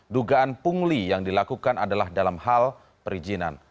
dugaan pungli yang dilakukan adalah dalam hal perizinan